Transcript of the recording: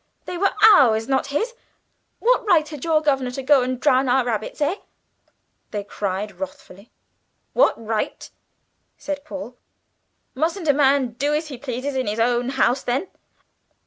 They were ours, not his. What right had your governor to go and drown our rabbits, eh?" they cried wrathfully. "What right?" said Paul. "Mustn't a man do as he pleases in his own house, then?